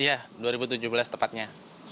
iya dua ribu tujuh belas tepatnya